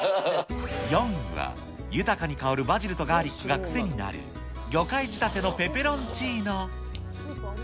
４位は、豊かに香るバジルとガーリックが癖になる、魚介仕立てのペペロンチーノ。